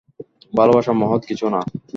ভালোবাসা মহৎ কিছু না!